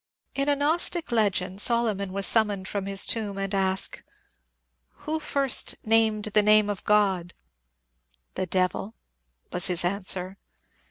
In a Gnostic legend Solomon was summoned from his tomb and asked, " Who first named the name of God ?"" The Devil," was his answer.